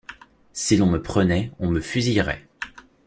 Si l’on me prenait, on me fusillerait.